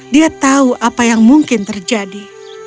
dia tahu apa yang mungkin terjadi